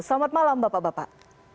selamat malam bapak bapak